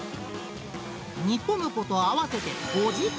煮込むこと合わせて５時間。